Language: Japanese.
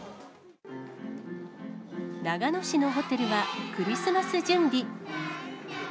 長野市のホテルは、クリスマス準備。